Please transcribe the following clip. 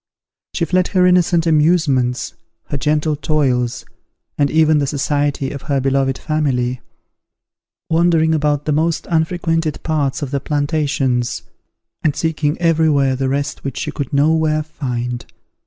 She fled her innocent amusements, her gentle toils, and even the society of her beloved family; wandering about the most unfrequented parts of the plantations, and seeking every where the rest which she could no where find.